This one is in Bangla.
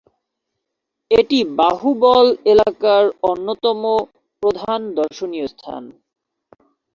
এটি বাহুবল এলাকার অন্যতম প্রধান দর্শনীয় স্থান।